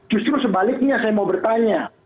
justru sebaliknya saya mau bertanya